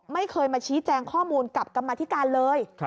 ไม่เคยมาชี้แจงข้อมูลกับกรรมธิการเลย